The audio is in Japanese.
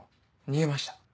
逃げました。